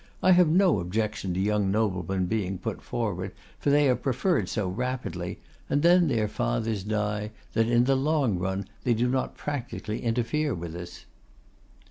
I have no objection to young noblemen being put forward, for they are preferred so rapidly, and then their fathers die, that in the long run they do not practically interfere with us.